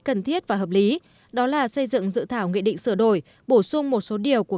cần thiết và hợp lý đó là xây dựng dự thảo nghị định sửa đổi bổ sung một số điều của